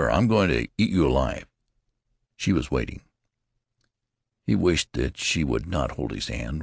I'm going to eat you alive." She was waiting. He wished that she would not hold his hand.